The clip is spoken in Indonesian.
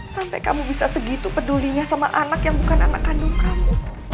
sampai kamu bisa segitu pedulinya sama anak yang bukan anak kandung kamu